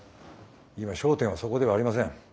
今焦点はそこではありません。